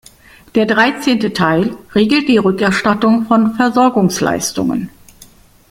Der dreizehnte Teil regelt die Rückerstattung von Versorgungsleistungen.